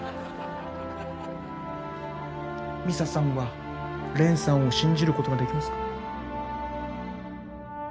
ミサさんはレンさんを信じることができますか？